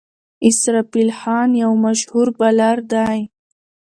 اسرافیل خان یو مشهور بالر دئ.